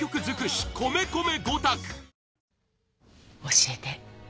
教えて。